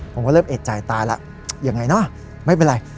ผมก็เริ่มเอกใจตายแล้วยังไงเนอะไม่เป็นไร